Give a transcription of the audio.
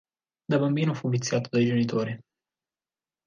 Da bambino fu viziato dai genitori.